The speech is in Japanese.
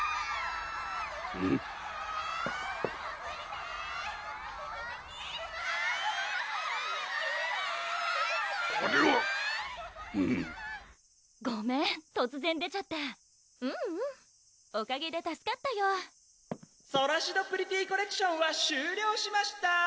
・・ぬっ⁉・・あれはごめん突然出ちゃってううんおかげで助かったよ「ソラシドプリティコレクション」は終了しました